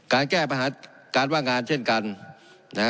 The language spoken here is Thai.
การแก้ประหารการว่างงานเช่นกัน